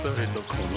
この